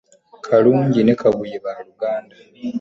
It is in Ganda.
Kalungi ne kabuye baluganda